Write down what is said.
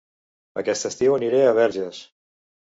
Aquest estiu aniré a Verges